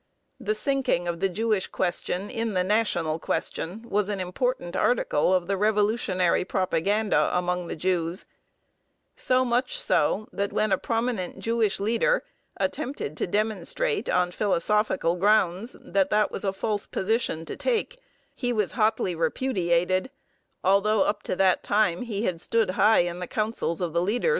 The sinking of the Jewish question in the national question was an important article of the revolutionary propaganda among the Jews; so much so, that when a prominent Jewish leader attempted to demonstrate, on philosophical grounds, that that was a false position to take, he was hotly repudiated, although up to that time he had stood high in the councils of the leaders.